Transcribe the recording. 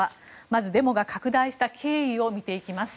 まずデモが拡大した経緯を見ていきます。